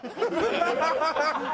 ハハハハ！